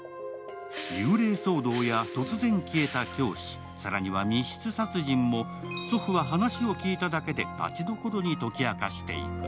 幽霊騒動や突然消えた教師、更には密室殺人も、祖父は話を聞いただけでたちどころに解き明かしていく。